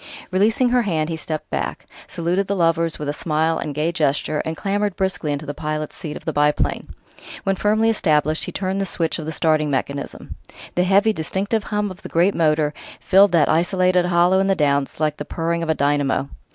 Releasing her hand, he stepped back, saluted the lovers with a smile and gay gesture, and clambered briskly to the pilot's seat of the biplane. When firmly established, he turned the switch of the starting mechanism. The heavy, distinctive hum of the great motor filled that isolated hollow in the Downs like the purring of a dynamo.